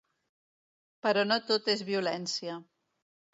Però no tot és violència.